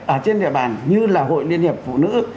ở trên địa bàn như là hội liên hiệp phụ nữ